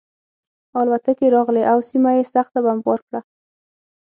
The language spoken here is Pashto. الوتکې راغلې او سیمه یې سخته بمبار کړه